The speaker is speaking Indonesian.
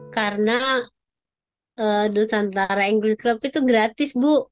karena nusantara english club itu gratis bu